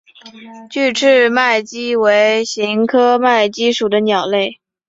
距翅麦鸡为鸻科麦鸡属的鸟类。